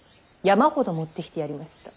山ほど持ってきてやりました。